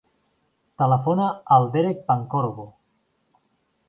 Telefona al Derek Pancorbo.